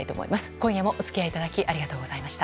今夜もお付き合いいただきありがとうございました。